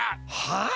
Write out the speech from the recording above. はあ？